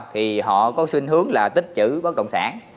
thì họ có xu hướng là tích chữ bất động sản